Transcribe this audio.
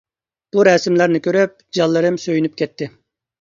بۇ رەسىملەرنى كۆرۈپ جانلىرىم سۆيۈنۈپ كەتتى!